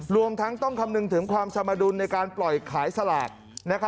รวมทั้งต้องคำนึงถึงความสมดุลในการปล่อยขายสลาก